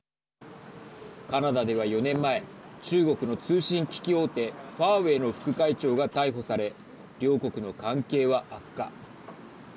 カナダでは４年前中国の通信機器大手ファーウェイの副会長が逮捕され両国の関係は悪化。